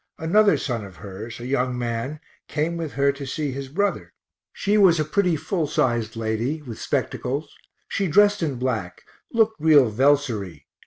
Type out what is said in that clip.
Another son of hers, a young man, came with her to see his brother. She was a pretty full sized lady, with spectacles; she dressed in black looked real Velsory.